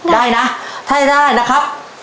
ได้นะถ้าได้นะครับ